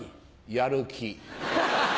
やる気。